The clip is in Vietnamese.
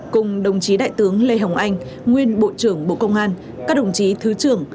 cùng đồng chí đại tướng lê hồng anh nguyên bộ trưởng bộ công an các đồng chí thứ trưởng